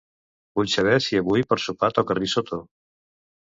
Vull saber si avui per sopar toca risotto.